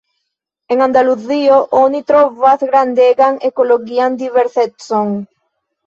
En Andaluzio, oni trovas grandegan ekologian diversecon.